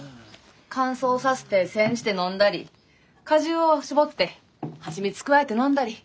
乾燥させて煎じて飲んだり果汁を搾って蜂蜜加えて飲んだり。